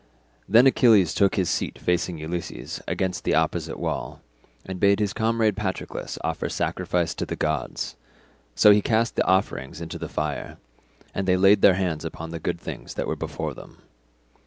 Then Achilles took his seat facing Ulysses against the opposite wall, and bade his comrade Patroclus offer sacrifice to the gods; so he cast the offerings into the fire, and they laid their hands upon the good things that were before them.